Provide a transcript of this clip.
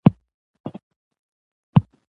ښوونکي د ژبې د ودې لپاره کار کوي.